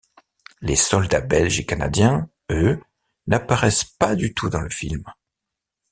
Les soldats belges et canadiens, eux, n'apparaissent pas du tout dans le film.